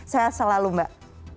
saya selalu mbak